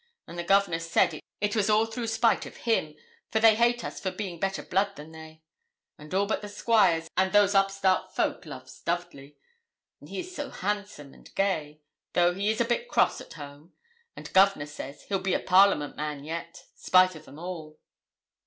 And the Governor said 'it was all through spite of him for they hate us for being better blood than they.' And 'all but the squires and those upstart folk loves Dudley, he is so handsome and gay though he be a bit cross at home.' And, 'Governor says, he'll be a Parliament man yet, spite o' them all.'